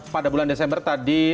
pada bulan desember tadi